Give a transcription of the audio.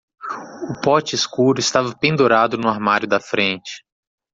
O pote escuro estava pendurado no armário da frente.